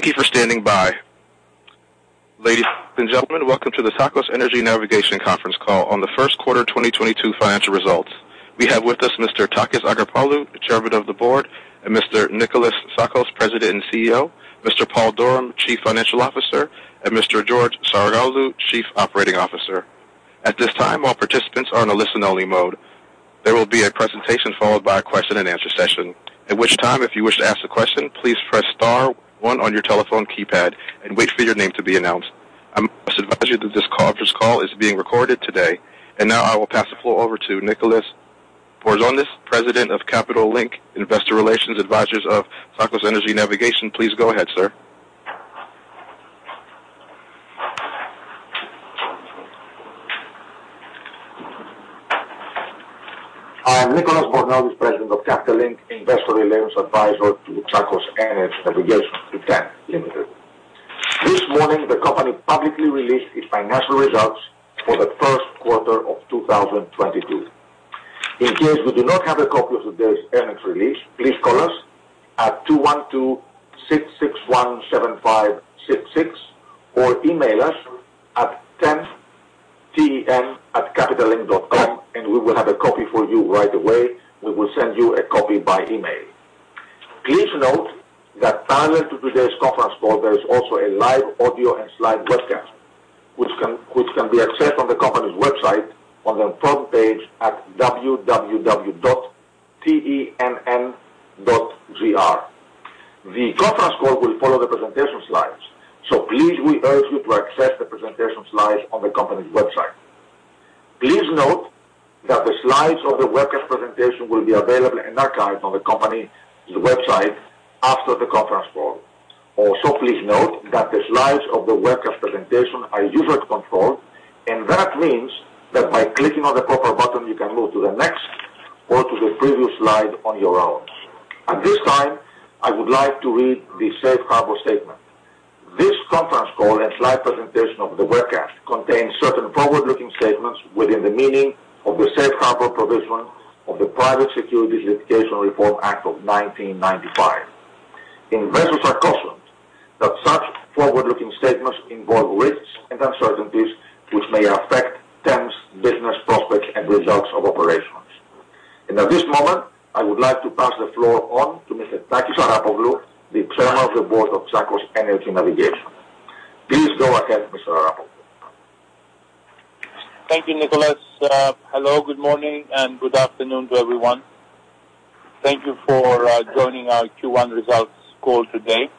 Thank you for standing by. Ladies and gentlemen, welcome to the Tsakos Energy Navigation conference call on the Q1 2022 financial results. We have with us Mr. Takis Arapoglou, the Chairman of the Board, and Mr. Nikolas Tsakos, President and CEO, Mr. Paul Durham, Chief Financial Officer, and Mr. George Saroglou, Chief Operating Officer. At this time, all participants are on a listen only mode. There will be a presentation followed by a question and answer session. At which time, if you wish to ask a question, please press star one on your telephone keypad and wait for your name to be announced. I must advise you that this conference call is being recorded today. Now I will pass the floor over to Nicolas Bornozis, President of Capital Link, Investor Relations Advisors of Tsakos Energy Navigation. Please go ahead, sir. I am Nicolas Bornozis, President of Capital Link, investor relations advisor to Tsakos Energy Navigation Limited. This morning, the company publicly released its financial results for the Q1 of 2022. In case you do not have a copy of today's earnings release, please call us at 212-661-7566 or email us at TEN@capitallink.com and we will have a copy for you right away. We will send you a copy by email. Please note that prior to today's conference call, there is also a live audio and slide webcast which can be accessed on the company's website on the front page at www.tenn.gr. The conference call will follow the presentation slides, so please, we urge you to access the presentation slides on the company's website. Please note that the slides of the webcast presentation will be available in archive on the company's website after the conference call. Also, please note that the slides of the webcast presentation are user controlled, and that means that by clicking on the proper button, you can move to the next or to the previous slide on your own. At this time, I would like to read the safe harbor statement. This conference call and slide presentation of the webcast contains certain forward-looking statements within the meaning of the safe harbor provision of the Private Securities Litigation Reform Act of 1995. Investors are cautioned that such forward-looking statements involve risks and uncertainties which may affect TEN's business prospects and results of operations. At this moment, I would like to pass the floor on to Mr. Takis Arapoglou, the Chairman of the Board of Tsakos Energy Navigation. Please go ahead, Mr. Arapoglou. Thank you, Nicholas. Hello, good morning and good afternoon to everyone. Thank you for joining our Q1 results call today.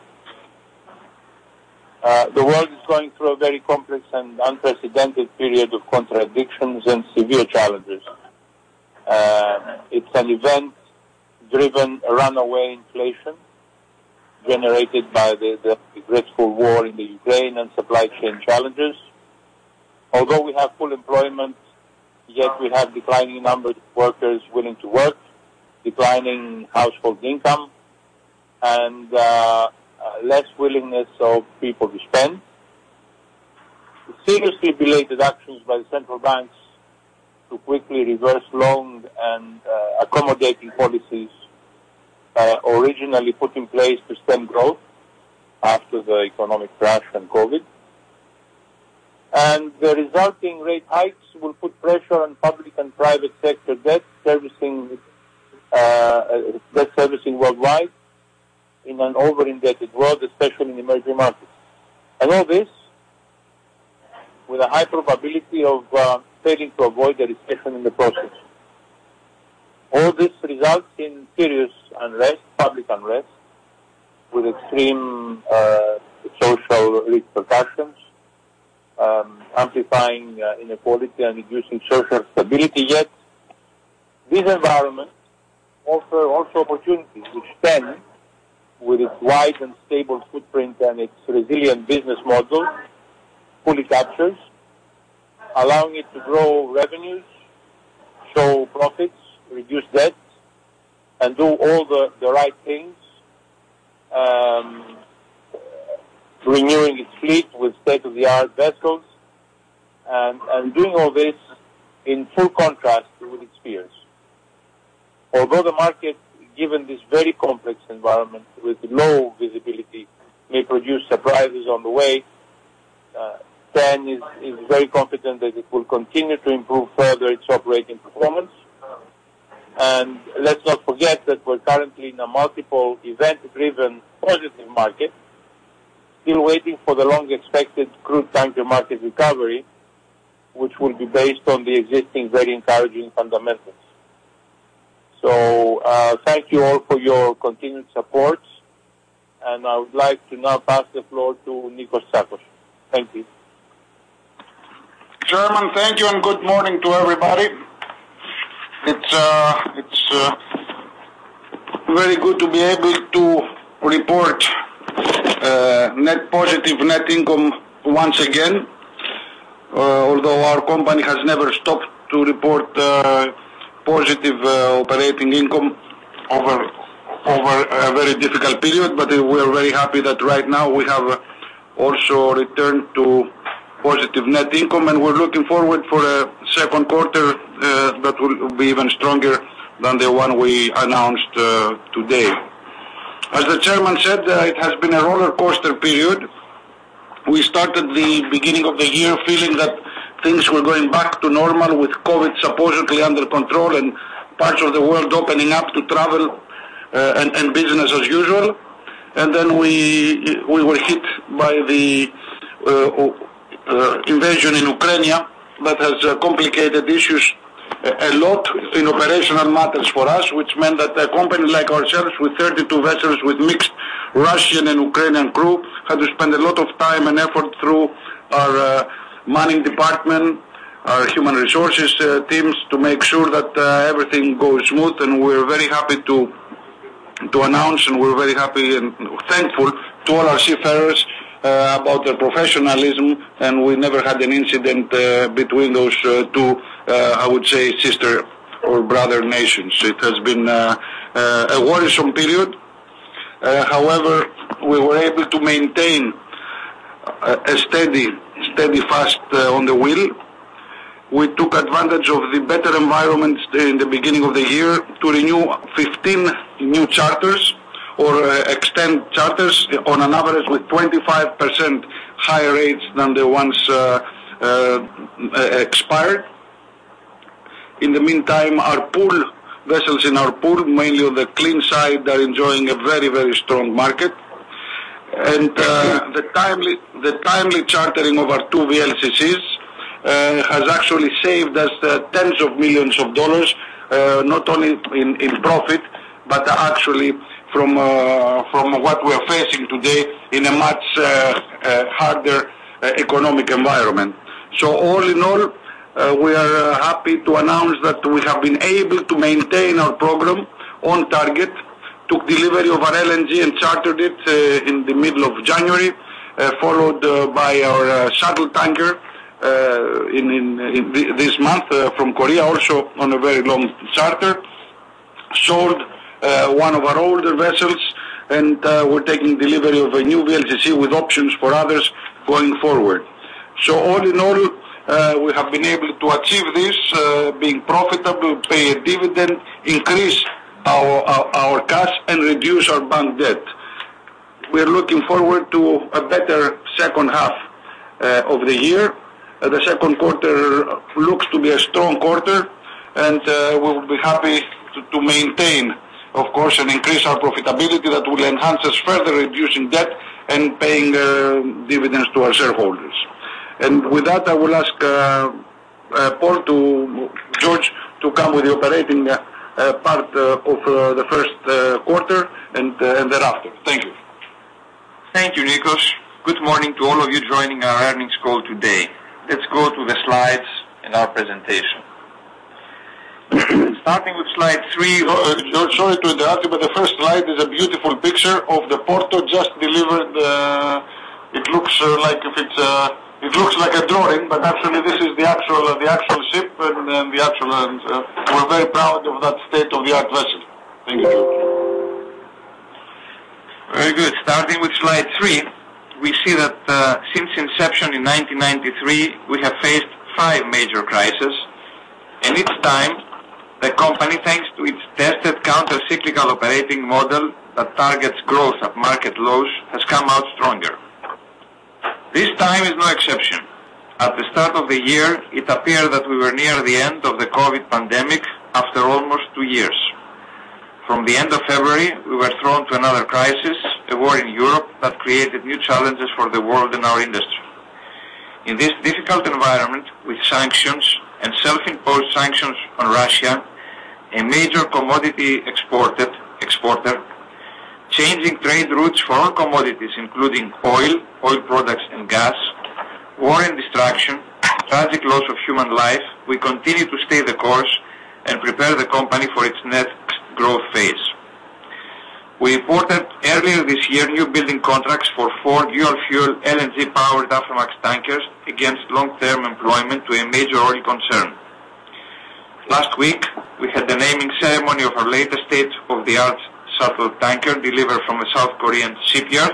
The world is going through a very complex and unprecedented period of contradictions and severe challenges. It's an event-driven runaway inflation generated by the dreadful war in the Ukraine and supply chain challenges. Although we have full employment, yet we have declining numbers of workers willing to work, declining household income, and less willingness of people to spend. The seriously belated actions by the central banks to quickly reverse long and accommodating policies originally put in place to stem growth after the economic crash and COVID. The resulting rate hikes will put pressure on public and private sector debt servicing worldwide in an over-indebted world, especially in emerging markets. All this with a high probability of failing to avoid a recession in the process. All this results in serious unrest, public unrest, with extreme social repercussions, amplifying inequality and reducing social stability yet. These environments offer also opportunities which TEN, with its wide and stable footprint and its resilient business model, fully captures, allowing it to grow revenues, show profits, reduce debts, and do all the right things, renewing its fleet with state-of-the-art vessels and doing all this in full contrast with its peers. Although the market, given this very complex environment with low visibility, may produce surprises on the way, TEN is very confident that it will continue to improve further its operating performance. Let's not forget that we're currently in a multiple event-driven positive market, still waiting for the long expected crude tanker market recovery, which will be based on the existing very encouraging fundamentals. Thank you all for your continued support. I would like to now pass the floor to Nikolas Tsakos. Thank you. Chairman, thank you, and good morning to everybody. It's very good to be able to report net positive net income once again. Although our company has never stopped to report positive operating income over a very difficult period. We're very happy that right now we have also returned to Positive net income. We're looking forward for a second quarter that will be even stronger than the one we announced today. As the chairman said, it has been a rollercoaster period. We started the beginning of the year feeling that things were going back to normal with COVID supposedly under control and parts of the world opening up to travel and business as usual. Then we were hit by the invasion in Ukraine that has complicated issues a lot in operational matters for us, which meant that a company like ourselves, with 32 vessels, with mixed Russian and Ukrainian crew, had to spend a lot of time and effort through our manning department, our human resources teams, to make sure that everything goes smooth. We're very happy to announce, and we're very happy and thankful to all our seafarers about their professionalism. We never had an incident between those two, I would say, sister or brother nations. It has been a worrisome period. However, we were able to maintain a steady fast on the wheel. We took advantage of the better environment in the beginning of the year to renew 15 new charters or extend charters on an average with 25% higher rates than the ones expired. In the meantime, our pool vessels in our pool, mainly on the clean side, are enjoying a very strong market. The timely chartering of our 2 VLCCs has actually saved us $ tens of millions, not only in profit, but actually from what we are facing today in a much harder economic environment. All in all, we are happy to announce that we have been able to maintain our program on target, took delivery of our LNG and chartered it in the middle of January, followed by our shuttle tanker in this month from Korea, also on a very long charter. Sold 1 of our older vessels, and we're taking delivery of a new VLCC with options for others going forward. All in all, we have been able to achieve this, being profitable, pay a dividend, increase our cash and reduce our bank debt. We're looking forward to a better second half of the year. The second quarter looks to be a strong quarter, and we will be happy to maintain, of course, and increase our profitability. That will enhance us further reducing debt and paying dividends to our shareholders. With that, I will ask George to come with the operating part of the Q1 and thereafter. Thank you. Thank you, Nikos. Good morning to all of you joining our earnings call today. Let's go to the slides in our presentation. Starting with slide three. Sorry to interrupt you, but the first slide is a beautiful picture of the Porto just delivered. It looks like a drawing, but actually this is the actual ship. We're very proud of that state-of-the-art vessel. Thank you. Very good. Starting with slide three, we see that since inception in 1993, we have faced five major crises. Each time, the company, thanks to its tested counter-cyclical operating model that targets growth at market lows, has come out stronger. This time is no exception. At the start of the year, it appeared that we were near the end of the COVID pandemic after almost two years. From the end of February, we were thrown to another crisis, a war in Europe that created new challenges for the world and our industry. In this difficult environment, with sanctions and self-imposed sanctions on Russia, a major commodity exporter, changing trade routes for all commodities including oil products and gas, war and destruction, tragic loss of human life, we continue to stay the course and prepare the company for its next growth phase. We reported earlier this year new building contracts for 4 dual-fuel LNG-powered Aframax tankers against long-term employment to a major oil concern. Last week, we had the naming ceremony of our latest state-of-the-art shuttle tanker delivered from a South Korean shipyard,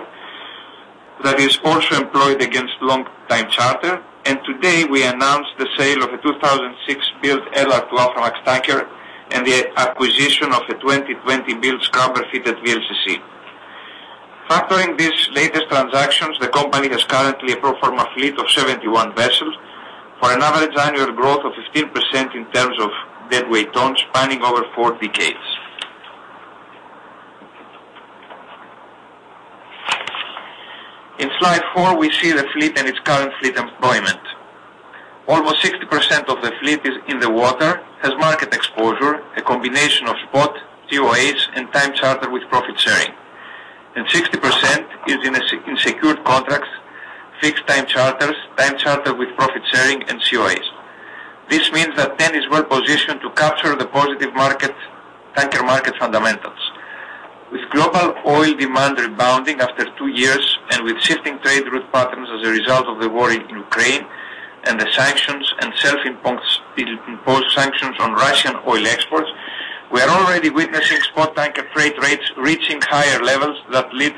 that is also employed against long-term charter. Today we announced the sale of a 2006-built ELAC Aframax tanker and the acquisition of a 2020-built scrubber-fitted VLCC. Factoring these latest transactions, the company has currently a pro forma fleet of 71 vessels for an average annual growth of 15% in terms of deadweight tons spanning over 4 decades. In slide four, we see the fleet and its current fleet employment. Almost 60% of the fleet is in the water, has market exposure, a combination of spot, COAs and time charter with profit sharing. 60% is in secured contracts, fixed time charters, time charter with profit sharing and COAs. This means that TEN is well-positioned to capture the positive tanker market fundamentals. With global oil demand rebounding after two years and with shifting trade route patterns as a result of the war in Ukraine and the sanctions and self-imposed sanctions on Russian oil exports, we are already witnessing spot tanker freight rates reaching higher levels that lead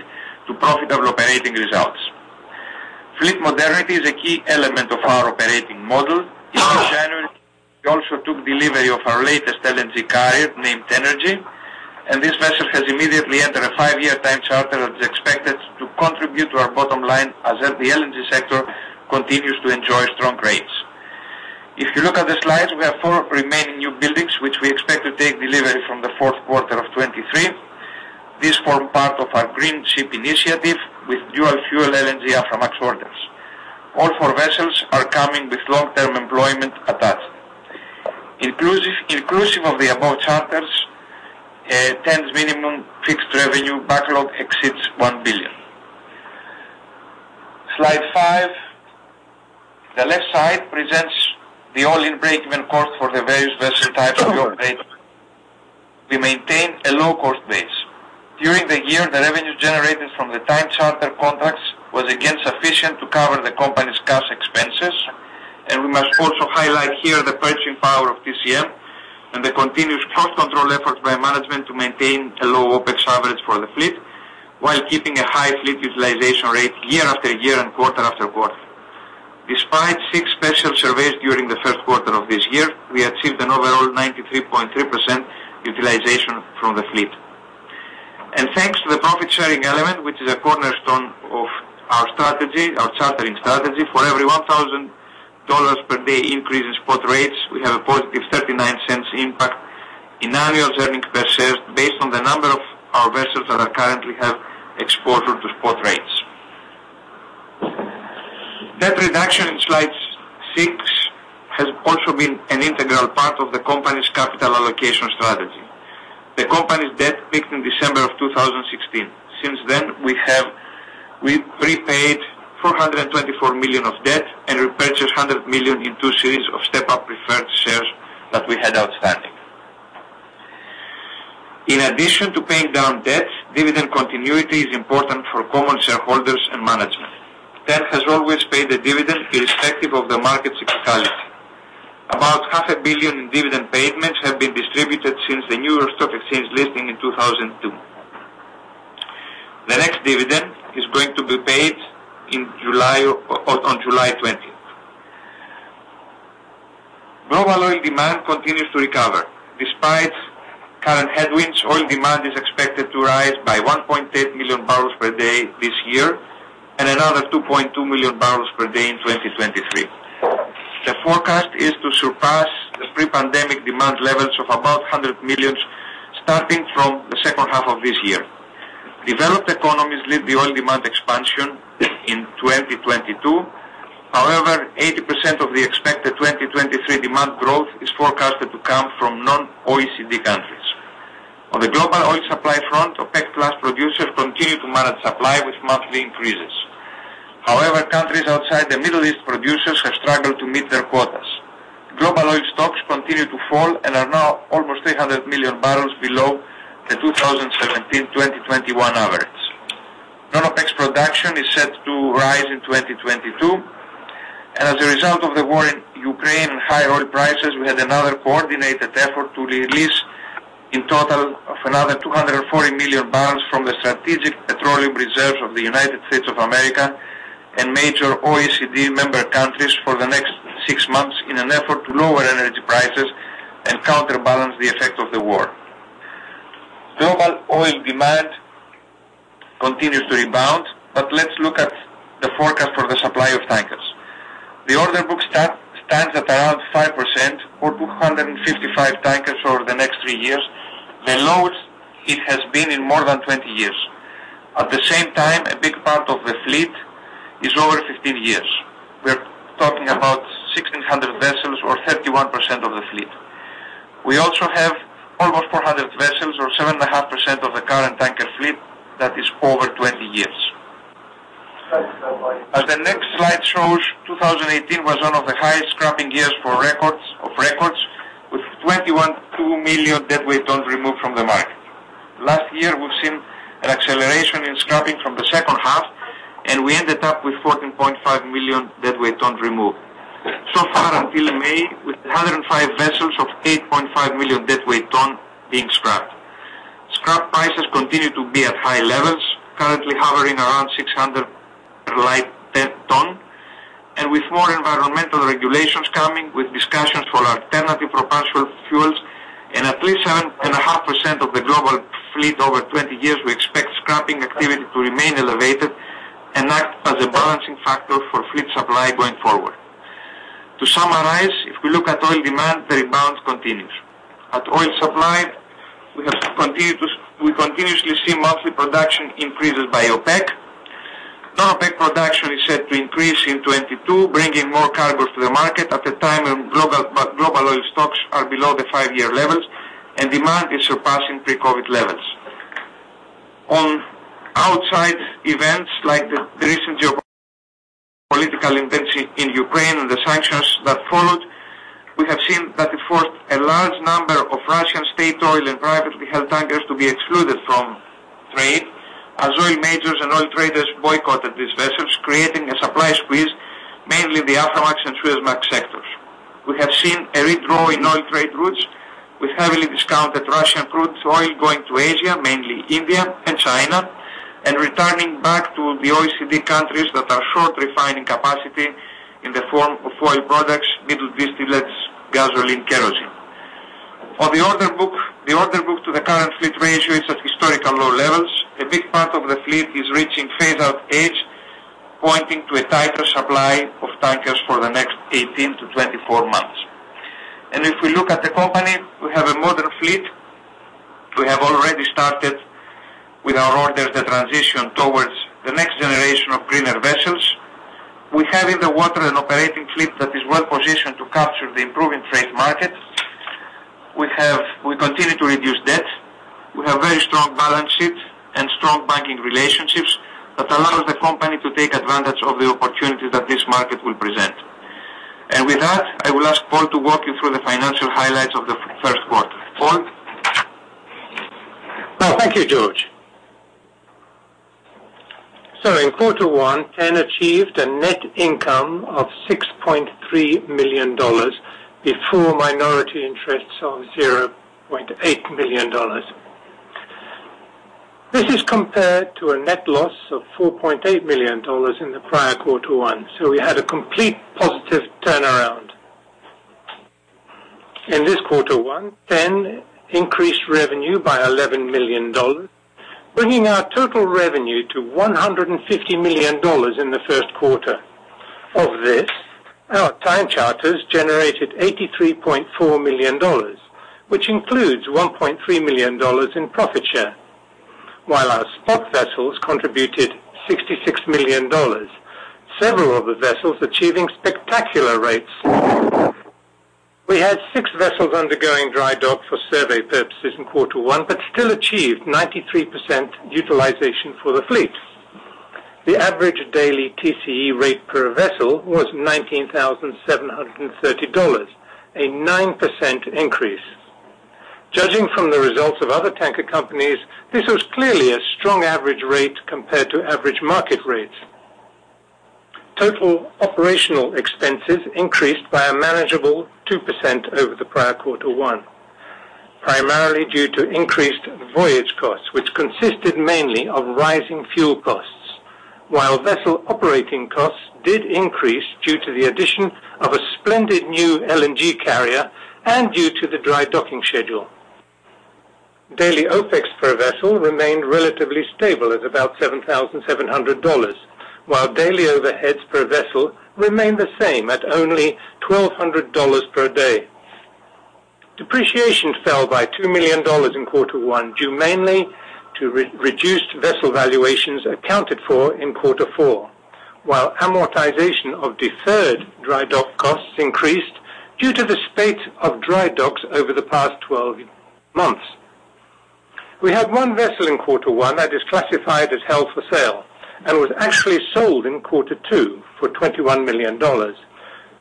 to profitable operating results. Fleet modernity is a key element of our operating model. In January, we also took delivery of our latest LNG carrier named Energy, and this vessel has immediately entered a five-year time charter that is expected to contribute to our bottom line as the LNG sector continues to enjoy strong rates. If you look at the slides, we have four remaining new buildings, which we expect to take delivery from the Q4 of 2023. These form part of our green ship initiative with dual fuel LNG Aframax orders. All four vessels are coming with long-term employment attached. Inclusive of the above charters, TEN's minimum fixed revenue backlog exceeds $1 billion. Slide five. The left side presents the all-in break-even cost for the various vessel types we operate. We maintain a low cost base. During the year, the revenue generated from the time charter contracts was again sufficient to cover the company's cash expenses. We must also highlight here the purchasing power of TCM and the continuous cost control efforts by management to maintain a low OpEx average for the fleet while keeping a high fleet utilization rate year after year and quarter after quarter. Despite six special surveys during the Q1 of this year, we achieved an overall 93.3% utilization from the fleet. Thanks to the profit-sharing element, which is a cornerstone of our strategy, our chartering strategy, for every $1,000 per day increase in spot rates, we have a positive $0.39 impact in annual earnings per share based on the number of our vessels that are currently have exposure to spot rates. Debt reduction in slide six has also been an integral part of the company's capital allocation strategy. The company's debt peaked in December 2016. Since then, we have repaid $424 million of debt and repurchased $100 million in two series of step-up preferred shares that we had outstanding. In addition to paying down debt, dividend continuity is important for common shareholders and management. TEN has always paid a dividend irrespective of the market cyclicality. About $0.5 billion in dividend payments have been distributed since the New York Stock Exchange listing in 2002. The next dividend is going to be paid in July on July 20th. Global oil demand continues to recover. Despite current headwinds, oil demand is expected to rise by 1.8 million barrels per day this year and another 2.2 million barrels per day in 2023. The forecast is to surpass the pre-pandemic demand levels of about 100 million, starting from the second half of this year. Developed economies lead the oil demand expansion in 2022. However, 80% of the expected 2023 demand growth is forecasted to come from non-OECD countries. On the global oil supply front, OPEC+ producers continue to manage supply with monthly increases. However, countries outside the Middle East producers have struggled to meet their quotas. Global oil stocks continue to fall and are now almost 300 million barrels below the 2017 to 2021 average. Non-OPEC's production is set to rise in 2022, and as a result of the war in Ukraine and high oil prices, we had another coordinated effort to release in total of another 240 million barrels from the Strategic Petroleum Reserve of the United States of America and major OECD member countries for the next six months in an effort to lower energy prices and counterbalance the effect of the war. Global oil demand continues to rebound, but let's look at the forecast for the supply of tankers. The order book stands at around 5% or 255 tankers over the next three years, the lowest it has been in more than 20 years. At the same time, a big part of the fleet is over 15 years. We're talking about 1,600 vessels or 31% of the fleet. We also have almost 400 vessels or 7.5% of the current tanker fleet that is over 20 years. As the next slide shows, 2018 was one of the highest scrapping years on record with 21.2 million deadweight tons removed from the market. Last year, we've seen an acceleration in scrapping from the second half, and we ended up with 14.5 million deadweight tons removed. So far until May, we have 105 vessels of 8.5 million deadweight ton being scrapped. Scrap prices continue to be at high levels, currently hovering around 600 light displacement ton. With more environmental regulations coming with discussions for alternative propulsion fuels and at least 7.5% of the global fleet over 20 years, we expect scrapping activity to remain elevated and act as a balancing factor for fleet supply going forward. To summarize, if we look at oil demand, the rebound continues. At oil supply, we continuously see monthly production increases by OPEC. Non-OPEC production is set to increase in 2022, bringing more cargos to the market at a time when global oil stocks are below the 5-year levels and demand is surpassing pre-COVID levels. On outside events like the recent geopolitical events in Ukraine and the sanctions that followed. That it forced a large number of Russian state oil and privately held tankers to be excluded from trade as oil majors and oil traders boycotted these vessels, creating a supply squeeze, mainly the Aframax and Suezmax sectors. We have seen a redraw in oil trade routes with heavily discounted Russian crude oil going to Asia, mainly India and China, and returning back to the OECD countries that are short refining capacity in the form of oil products, middle distillates, gasoline, kerosene. On the order book, the order book to the current fleet ratio is at historical low levels. A big part of the fleet is reaching phase out age, pointing to a tighter supply of tankers for the next 18-24 months. If we look at the company, we have a modern fleet. We have already started with our orders, the transition towards the next generation of greener vessels. We have in the water an operating fleet that is well positioned to capture the improving trade market. We continue to reduce debt. We have very strong balance sheet and strong banking relationships that allows the company to take advantage of the opportunities that this market will present. With that, I will ask Paul to walk you through the financial highlights of the Q1. Paul? Well, thank you, George. In quarter one, TEN achieved a net income of $6.3 million before minority interests of $0.8 million. This is compared to a net loss of $4.8 million in the prior quarter one. We had a complete positive turnaround. In this quarter one, TEN increased revenue by $11 million, bringing our total revenue to $150 million in the Q1. Of this, our time charters generated $83.4 million, which includes $1.3 million in profit share, while our spot vessels contributed $66 million, several of the vessels achieving spectacular rates. We had six vessels undergoing dry dock for survey purposes in quarter one, but still achieved 93% utilization for the fleet. The average daily TCE rate per vessel was $19,730, a 9% increase. Judging from the results of other tanker companies, this was clearly a strong average rate compared to average market rates. Total operational expenses increased by a manageable 2% over the prior quarter one, primarily due to increased voyage costs, which consisted mainly of rising fuel costs, while vessel operating costs did increase due to the addition of a splendid new LNG carrier and due to the dry docking schedule. Daily OpEx per vessel remained relatively stable at about $7,700, while daily overheads per vessel remained the same at only $1,200 per day. Depreciation fell by $2 million in quarter one, due mainly to re-reduced vessel valuations accounted for in quarter four, while amortization of deferred dry dock costs increased due to the spate of dry docks over the past 12 months. We had one vessel in quarter one that is classified as held for sale and was actually sold in quarter two for $21 million,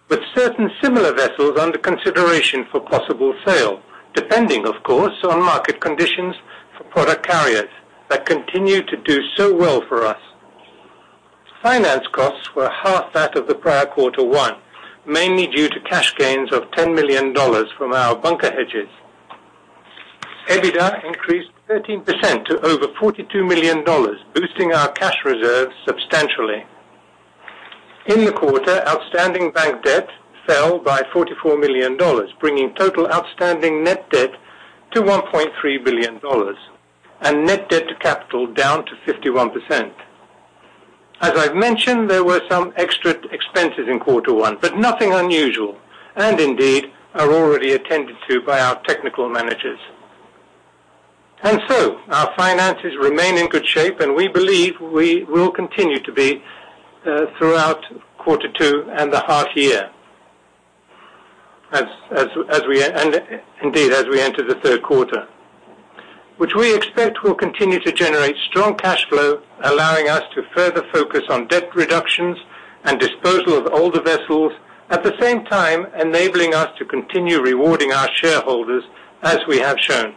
with certain similar vessels under consideration for possible sale, depending, of course, on market conditions for product carriers that continue to do so well for us. Finance costs were half that of the prior quarter one, mainly due to cash gains of $10 million from our bunker hedges. EBITDA increased 13% to over $42 million, boosting our cash reserves substantially. In the quarter, outstanding bank debt fell by $44 million, bringing total outstanding net debt to $1.3 billion and net debt to capital down to 51%. As I've mentioned, there were some extra expenses in quarter one, but nothing unusual, and indeed are already attended to by our technical managers. Our finances remain in good shape, and we believe we will continue to be throughout quarter two and the half year as we enter the Q3, which we expect will continue to generate strong cash flow, allowing us to further focus on debt reductions and disposal of older vessels, at the same time enabling us to continue rewarding our shareholders as we have shown.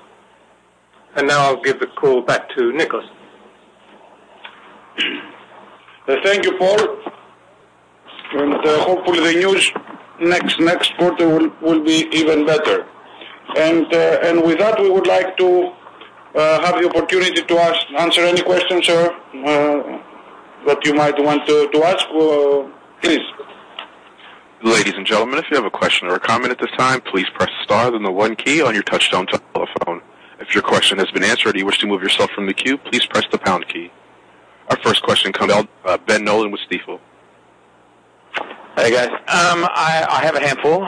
Now I'll give the call back to Nicholas. Thank you, Paul. Hopefully the news next quarter will be even better. With that, we would like to have the opportunity to answer any questions or what you might want to ask. Please. Ladies and gentlemen, if you have a question or a comment at this time, please press star then the one key on your touchtone telephone. If your question has been answered or you wish to move yourself from the queue, please press the pound key. Our first question comes from Ben Nolan with Stifel. Hi, guys. I have a handful.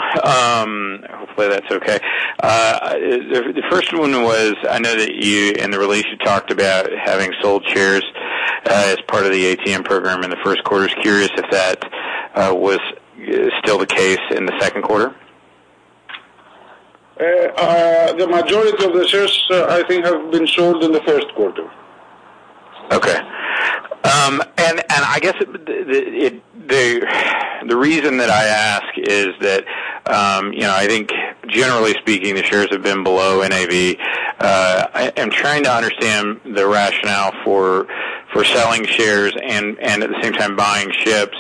Hopefully that's okay. The first one was, I know that in the release you talked about having sold shares as part of the ATM program in the Q1. Just curious if that was still the case in the Q2. The majority of the shares, I think, have been sold in the Q1. Okay. I guess the reason that I ask is that, you know, I think generally speaking, the shares have been below NAV. I am trying to understand the rationale for selling shares and at the same time buying ships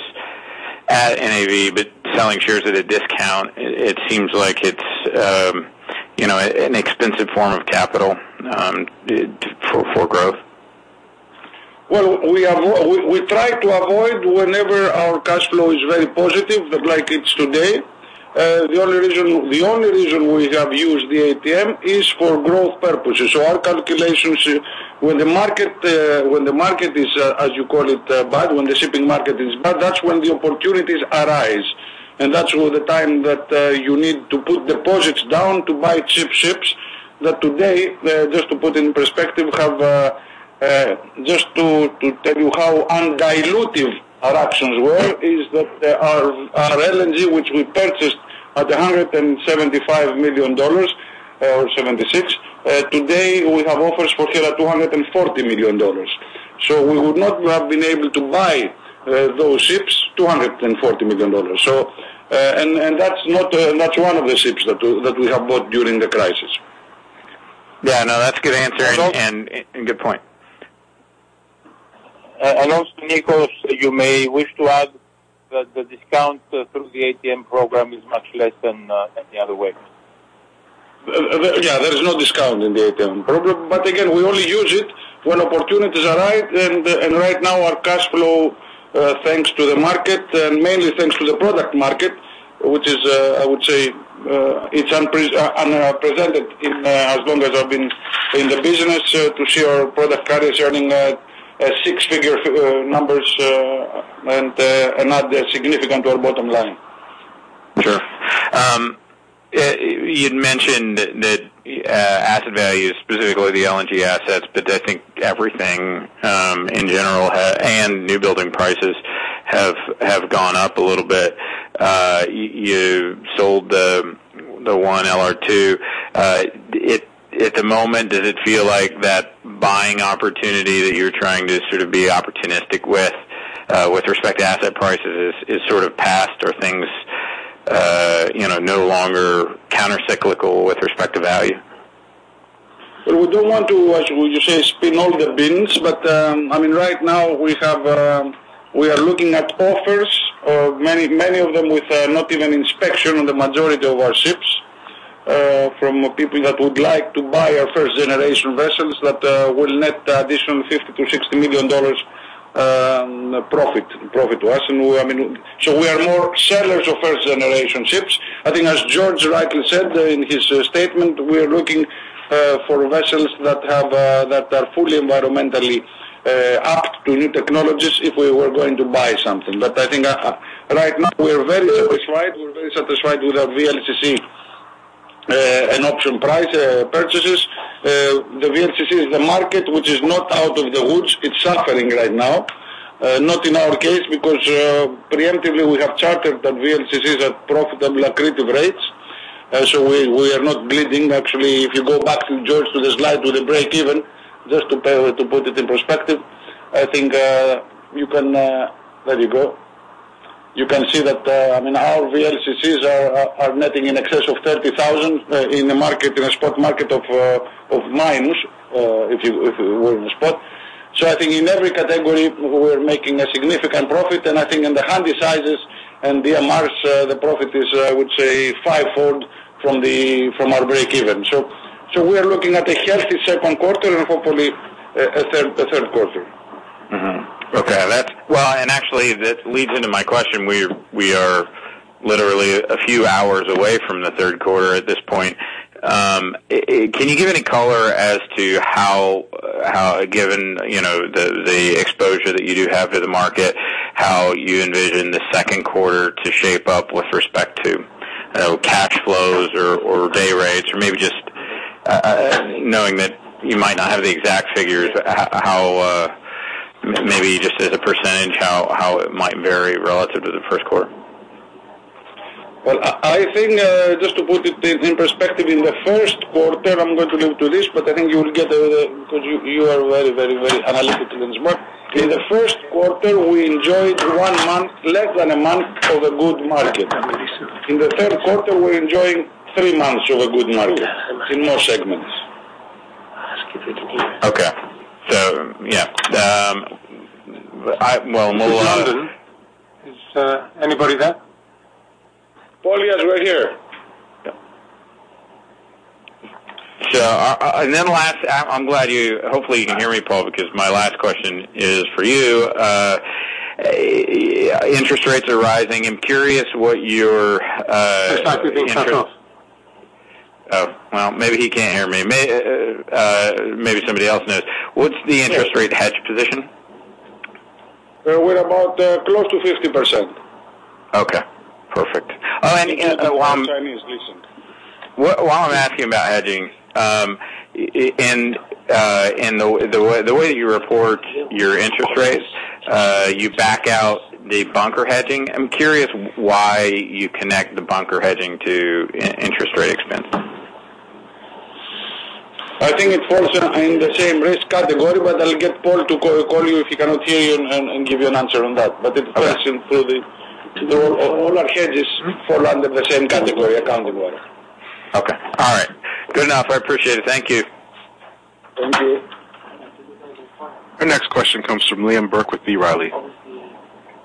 at NAV, but selling shares at a discount. It seems like it's, you know, an expensive form of capital for growth. Well, we try to avoid whenever our cash flow is very positive, but like it's today, the only reason we have used the ATM is for growth purposes. Our calculations with the market, when the market is, as you call it, bad, when the shipping market is bad, that's when the opportunities arise. That's all the time that you need to put deposits down to buy cheap ships that today, just to put in perspective, just to tell you how undilutive our actions were, is that our LNG, which we purchased at $175 million or $176, today we have offers for it at $240 million. We would not have been able to buy those ships $240 million. That's one of the ships that we have bought during the crisis. Yeah, no, that's a good answer. And also- Good point. Also, Nikos, you may wish to add that the discount through the ATM program is much less than the other way. Yeah, there is no discount in the ATM program. But again, we only use it when opportunities arise. Right now our cash flow, thanks to the market, and mainly thanks to the product market, which is, I would say, it's unprecedented in as long as I've been in the business, to see our product carriers earning six-figure numbers, and add significantly to our bottom line. Sure. You'd mentioned that asset values, specifically the LNG assets, but I think everything in general and new building prices have gone up a little bit. You sold the one LR2. At the moment, does it feel like that buying opportunity that you're trying to sort of be opportunistic with respect to asset prices is sort of past or things, you know, no longer countercyclical with respect to value? We do want to, as you say, spin all the bins. I mean, right now we are looking at offers of many, many of them with not even inspection on the majority of our ships from people that would like to buy our first generation vessels that will net additional $50-$60 million profit to us. I mean, we are more sellers of first generation ships. I think as George rightly said in his statement, we are looking for vessels that are fully environmentally apt to new technologies if we were going to buy something. I think right now we are very satisfied. We're very satisfied with our VLCC and option price purchases. The VLCC is the market which is not out of the woods. It's suffering right now. Not in our case because preemptively we have chartered the VLCCs at profitable accretive rates. So we are not bleeding. Actually, if you go back to George to the slide with the break even, just to put it in perspective, I think you can, there you go. You can see that, I mean, our VLCCs are netting in excess of $30,000 in a market, in a spot market of minus, if you were in a spot. So I think in every category, we're making a significant profit. I think in the Handysize and MRs, the profit is, I would say fivefold from the, from our break even. So we are looking at a healthy Q2 and hopefully a Q3. Well, actually, that leads into my question. We are literally a few hours away from the Q3 at this point. Can you give any color as to how, given you know the exposure that you do have to the market, how you envision the second quarter to shape up with respect to you know cash flows or day rates? Or maybe just knowing that you might not have the exact figures, how maybe just as a percentage, how it might vary relative to the Q1? Well, I think just to put it in perspective, in the Q1, I'm going to leave to this, but I think you will get, because you are very analytical and smart. In the Q1, we enjoyed one month, less than a month of a good market. In the Q3, we're enjoying three months of a good market in all segments. Okay. Yeah, well, we'll It's London. Is anybody there? Paul Durham is right here. Last, I'm glad, hopefully you can hear me, Paul, because my last question is for you. Interest rates are rising. I'm curious what your, Just talk to me. Talk to us. Oh, well, maybe he can't hear me. Maybe somebody else knows. What's the interest rate hedge position? We're about close to 50%. Okay, perfect. Oh, and while I'm Chinese listened. While I'm asking about hedging, in the way you report your interest rates, you back out the bunker hedging. I'm curious why you connect the bunker hedging to interest rate expense. I think it falls in the same risk category, but I'll get Paul to call you if he cannot hear you and give you an answer on that. Okay. All our hedges fall under the same accounting category. Okay. All right. Good enough, I appreciate it. Thank you. Thank you. Our next question comes from Liam Burke with B. Riley.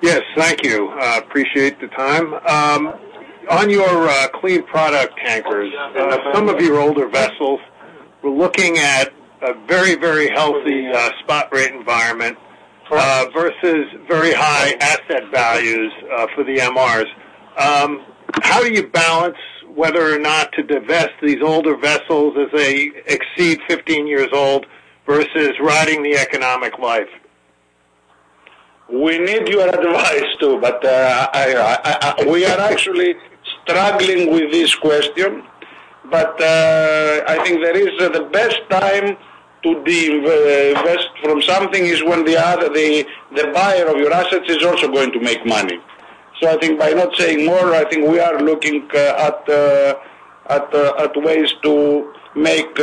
Yes, thank you. Appreciate the time. On your clean product tankers and some of your older vessels, we're looking at a very, very healthy spot rate environment versus very high asset values for the MRs. How do you balance whether or not to divest these older vessels as they exceed 15 years old versus riding the economic life? We need your advice, too, but we are actually struggling with this question, but I think there is the best time to divest from something is when the other, the buyer of your assets is also going to make money. I think by not saying more, I think we are looking at ways to make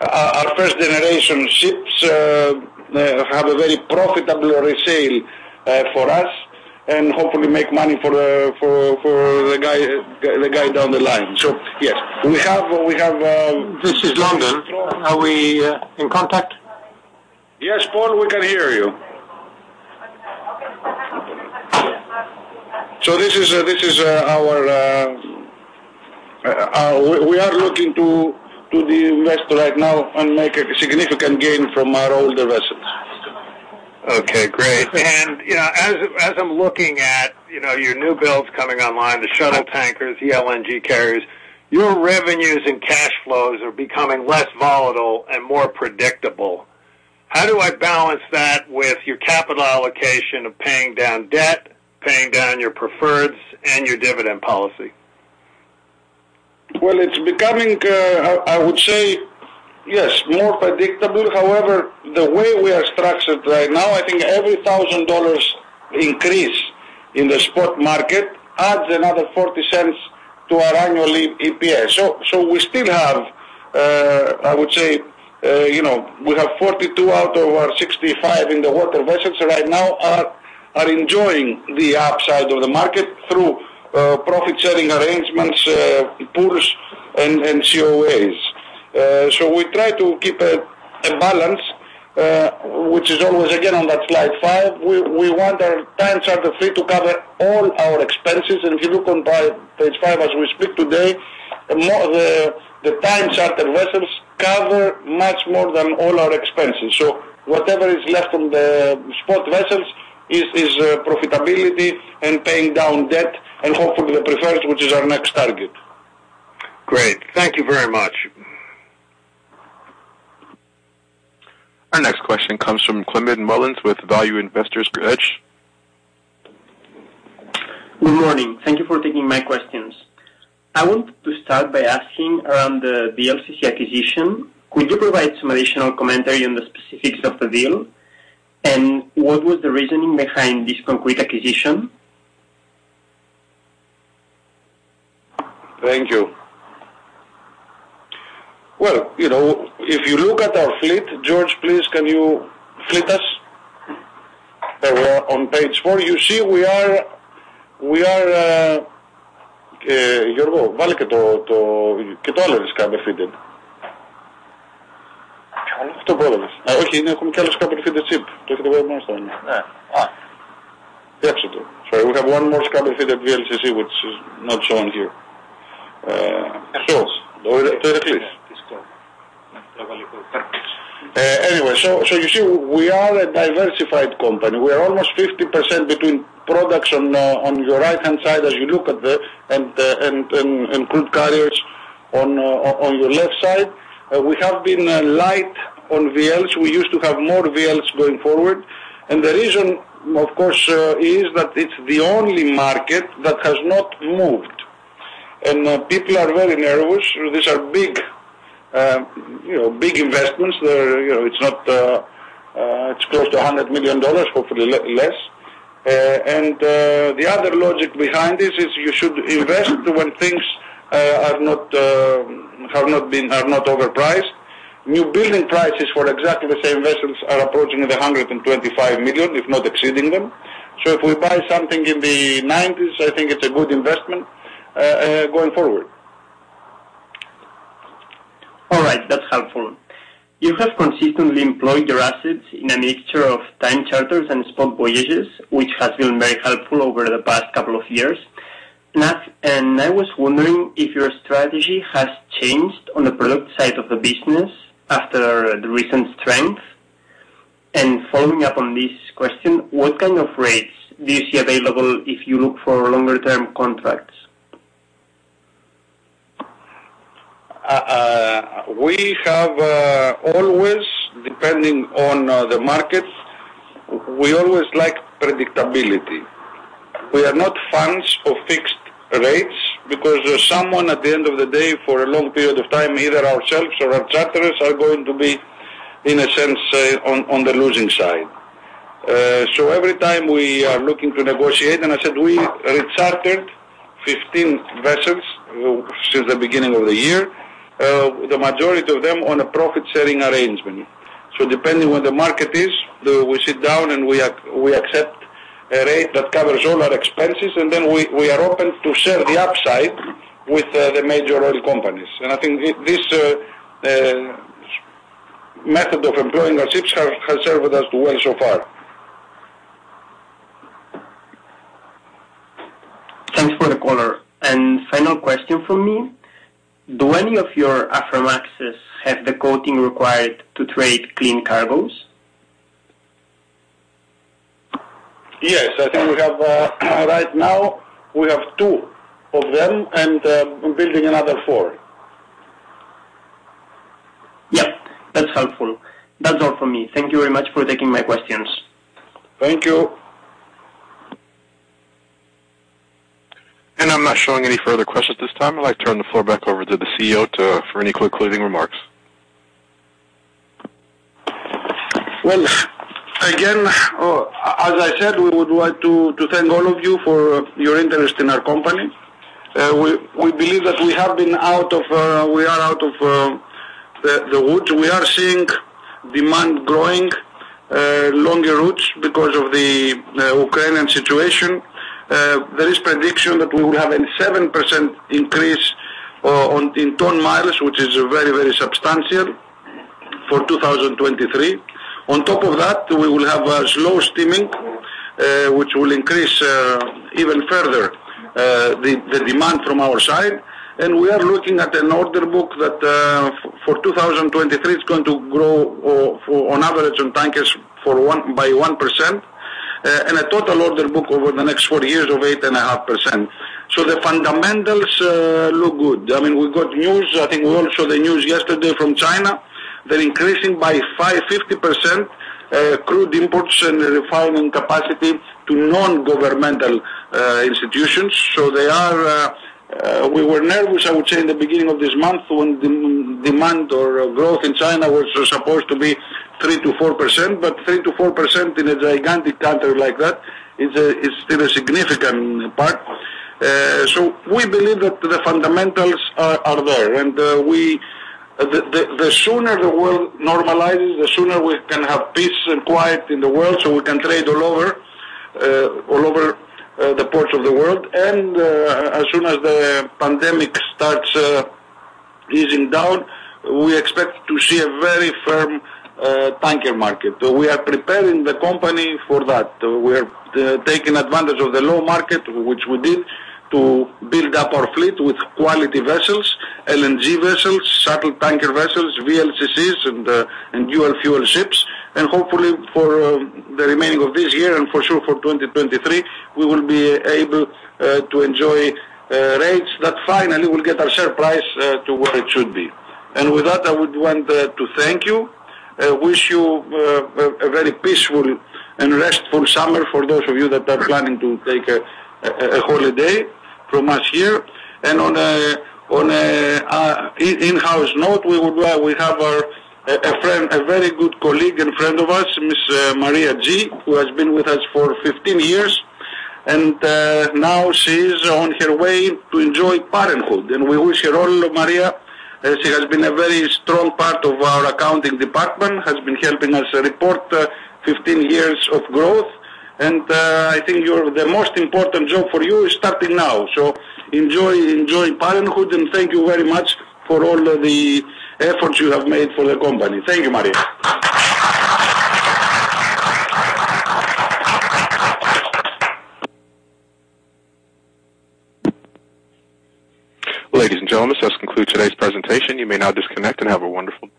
our first generation ships have a very profitable resale for us and hopefully make money for the guy down the line. Yes, we have This is London. Are we in contact? Yes, Paul, we can hear you. We are looking to divest right now and make a significant gain from our older vessels. Okay, great. You know, as I'm looking at, you know, your new builds coming online, the shuttle tankers, the LNG carriers, your revenues and cash flows are becoming less volatile and more predictable. How do I balance that with your capital allocation of paying down debt, paying down your preferreds and your dividend policy? Well, it's becoming, I would say yes, more predictable. However, the way we are structured right now, I think every $1,000 increase in the spot market adds another $0.40 to our annual EPS. So we still have, I would say, you know, we have 42 out of our 65 workhorse vessels right now are enjoying the upside of the market through profit sharing arrangements, pools and COAs. So we try to keep a balance, which is always again on that slide 5. We want our time charter fleet to cover all our expenses. If you look on page 5 as we speak today, the time charter vessels cover much more than all our expenses. Whatever is left on the spot vessels is profitability and paying down debt and hopefully the preferreds, which is our next target. Great. Thank you very much. Our next question comes from Climent Molins with Value Investor's Edge. Good morning. Thank you for taking my questions. I want to start by asking about the VLCC acquisition. Could you provide some additional commentary on the specifics of the deal, and what was the reasoning behind this concrete acquisition? Thank you. Well, you know, if you look at our fleet, George, please can you fleet us? On page four, you see we are. We have 1 more scrubber-fitted VLCC, which is not shown here. Anyway, you see we are a diversified company. We are almost 50% between products on your right-hand side as you look at the and crude carriers on your left side. We have been light on VLs. We used to have more VLs going forward. The reason, of course, is that it is the only market that has not moved. People are very nervous. These are big, you know, big investments. They are, you know, it is not, it is close to $100 million, hopefully less. The other logic behind this is you should invest when things are not overpriced. Newbuilding prices for exactly the same vessels are approaching $125 million, if not exceeding them. If we buy something in the 90s, I think it's a good investment going forward. All right. That's helpful. You have consistently employed your assets in a mixture of time charters and spot voyages, which has been very helpful over the past couple of years. I was wondering if your strategy has changed on the product side of the business after the recent strength. Following up on this question, what kind of rates do you see available if you look for longer term contracts? We have always, depending on the market, we always like predictability. We are not fans of fixed rates because there's someone at the end of the day for a long period of time, either ourselves or our charterers are going to be in a sense, on the losing side. Every time we are looking to negotiate and I said we rechartered 15 vessels since the beginning of the year, the majority of them on a profit sharing arrangement. Depending on where the market is, we sit down and we accept a rate that covers all our expenses, and then we are open to share the upside with the major oil companies. I think this method of employing our ships has served us well so far. Thanks for the color. Final question from me, do any of your Aframaxes have the coating required to trade clean cargoes? Yes. I think we have right now we have two of them and we're building another four. Yep. That's helpful. That's all for me. Thank you very much for taking my questions. Thank you. I'm not showing any further questions at this time. I'd like to turn the floor back over to the CEO for any concluding remarks. Well, again, as I said, we would like to thank all of you for your interest in our company. We believe that we are out of the woods. We are seeing demand growing longer routes because of the Ukrainian situation. There is prediction that we will have a 7% increase in ton miles, which is very substantial for 2023. On top of that, we will have a slow steaming, which will increase even further the demand from our side. We are looking at an order book that, for 2023, it's going to grow, on average on tankers by 1%, and a total order book over the next four years of 8.5%. The fundamentals look good. I mean, we got news. I think we all saw the news yesterday from China. They're increasing by 5.5% crude imports and refining capacity to non-governmental institutions. We were nervous, I would say, in the beginning of this month when demand or growth in China was supposed to be 3%-4%. But 3%-4% in a gigantic country like that is still a significant part. We believe that the fundamentals are there. The sooner the world normalizes, the sooner we can have peace and quiet in the world, so we can trade all over the ports of the world. As soon as the pandemic starts easing down, we expect to see efforts you have made for the company. Thank you, Maria. Ladies and gentlemen, this concludes today's presentation. You may now disconnect and have a wonderful-